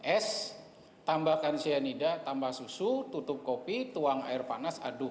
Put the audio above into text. es tambahkan cyanida tambah susu tutup kopi tuang air panas aduk